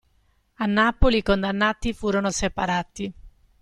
A Napoli i condannati furono separati.